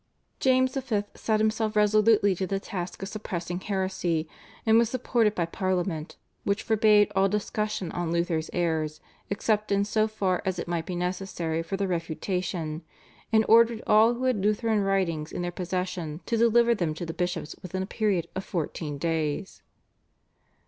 James V. set himself resolutely to the task of suppressing heresy, and was supported by Parliament, which forbade all discussion on Luther's errors except in so far as it might be necessary for their refutation, and ordered all who had Lutheran writings in their possession to deliver them to the bishops within a period of fourteen days.